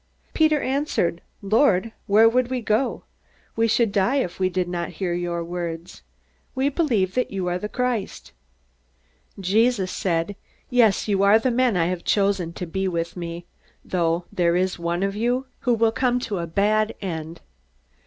Peter answered: "Lord, where would we go? We should die if we did not hear your words. We believe that you are the Christ." Jesus said, "Yes, you are the men I have chosen to be with me though there is one of you who will come to a bad end."